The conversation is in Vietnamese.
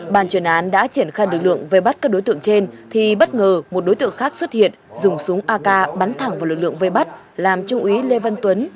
bàn chuyên án đã triển khai lực lượng vây bắt các đối tượng trên thì bất ngờ một đối tượng khác xuất hiện dùng súng ak bắn thẳng vào lực lượng vây bắt làm trung úy lê văn tuấn